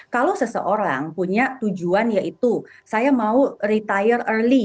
kalau seseorang punya tujuan yaitu saya mau retire early